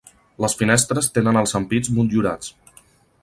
Les finestres tenen els ampits motllurats.